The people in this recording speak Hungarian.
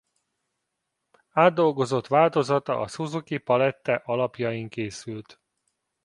Átdolgozott változata a Suzuki palette alapjain készült.